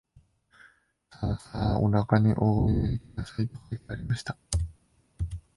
さあさあおなかにおはいりください、と書いてありました